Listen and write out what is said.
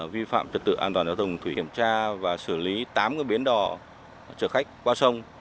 vi phạm trật tự an toàn giao thông thủy kiểm tra và xử lý tám bến đỏ trở khách qua sông